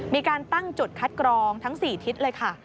มีการตั้งจุดคัดกรองทั้ง๔ทิศเลยค่ะ